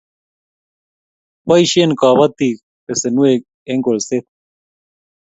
boisien kobotoik besenwek eng' kolset